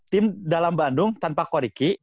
tim dalam bandung tanpa quariki